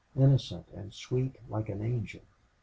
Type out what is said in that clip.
Innocent and sweet like an angel!